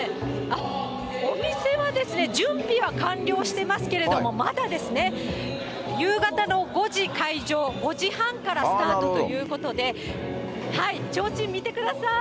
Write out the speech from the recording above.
お店は、準備は完了していますけれども、まだですね、夕方の５時開場、５時半からスタートということで、ちょうちん見てください。